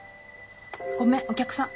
ごめんお客さん。